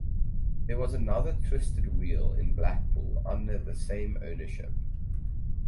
There was another Twisted Wheel in Blackpool under the same ownership.